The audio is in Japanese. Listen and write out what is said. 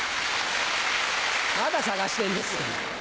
まだ探してんですか。